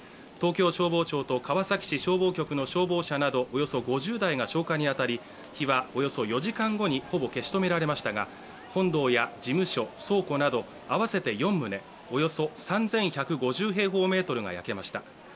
東京消防庁と川崎市消防局の消防車などおよそ５０台が消火に当たり、火はおよそ４時間後にほぼ消し止められましたが、本堂や寺務所、倉庫など合わせて４棟、およそ３１５０平方メートルが焼けました。